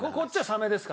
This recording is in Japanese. サメです。